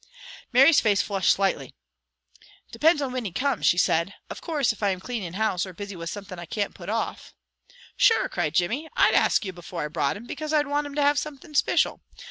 Mary's face flushed slightly. "Depends on whin he comes," she said. "Of course, if I am cleaning house, or busy with something I can't put off " "Sure!" cried Jimmy. "I'd ask you before I brought him, because I'd want him to have something spicial.